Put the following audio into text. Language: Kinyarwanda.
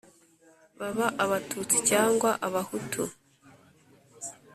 baba abatutsi cyangwa abahutu,